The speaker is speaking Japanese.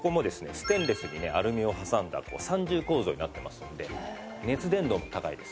ステンレスにねアルミを挟んだ三重構造になってますので熱伝導も高いです。